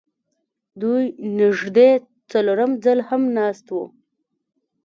دوی نږدې څلورم ځل هم ناست وو